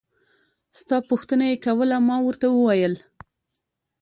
ستا پوښتنه يې کوله ما ورته وويل.